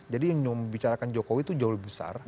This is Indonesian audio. jadi yang membicarakan jokowi tuh jauh lebih besar